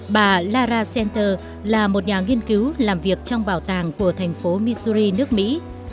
bà lara senter là một nhà nghiên cứu làm việc trong bảo tàng của thành phố missouri nước mỹ